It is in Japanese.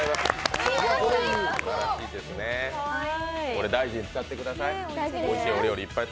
これ、大事に使ってください